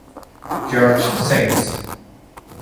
George Saints.